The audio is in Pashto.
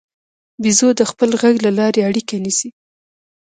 بیزو د خپل غږ له لارې اړیکه نیسي.